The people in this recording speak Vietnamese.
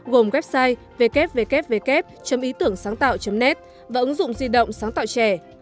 gồm website www ýtưởngsángtạo net và ứng dụng di động sáng tạo trẻ